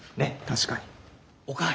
確かに。